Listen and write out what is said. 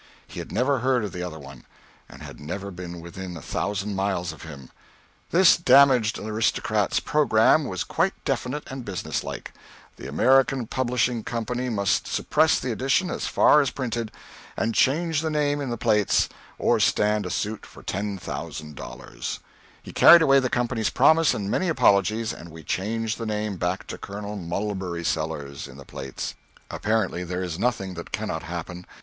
He had never heard of the other one, and had never been within a thousand miles of him. This damaged aristocrat's programme was quite definite and businesslike: the American Publishing Company must suppress the edition as far as printed, and change the name in the plates, or stand a suit for $10,000. He carried away the Company's promise and many apologies, and we changed the name back to Colonel Mulberry Sellers, in the plates. Apparently there is nothing that cannot happen.